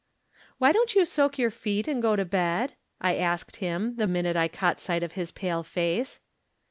" Why don't you soak your feet and go to bed ?" I asked him, the minute I caught sight of his pale face.